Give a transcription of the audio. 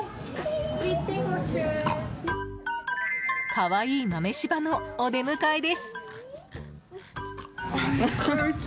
可愛い豆柴のお出迎えです。